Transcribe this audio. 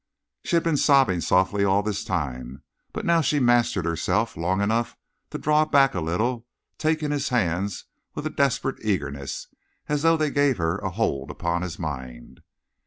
She had been sobbing softly all this time, but now she mastered herself long enough to draw back a little, taking his hands with a desperate eagerness, as though they gave her a hold upon his mind.